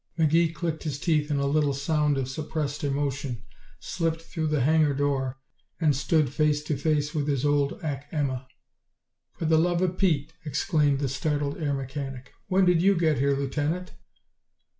McGee clicked his teeth in a little sound of suppressed emotion, slipped through the hangar door and stood face to face with his own old Ack Emma. "For the luva Pete!" exclaimed the startled air mechanic. "When did you get here, Lieutenant?"